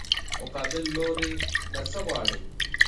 مقابل لوري نه څه غواړې؟